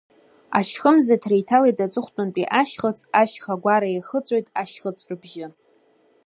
Ашьхымзаҭра иҭалеит аҵыхәтәантәи ашьхыц, ашьхагәара иахыҵәоит ашьхыҵәрыбжьы.